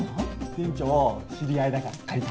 店長知り合いだから借りた。